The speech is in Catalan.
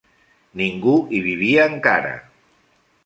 Ningú hi vivia encara.